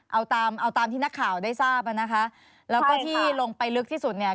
เอาตามเอาตามที่นักข่าวได้ทราบอ่ะนะคะแล้วก็ที่ลงไปลึกที่สุดเนี่ย